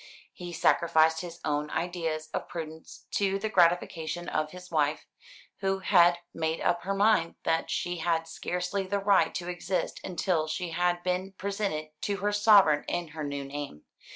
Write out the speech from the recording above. He sacrificed his own ideas of prudence to the gratification of his wife; who had made up her mind that she had scarcely the right to exist until she had been presented to her sovereign in her new name.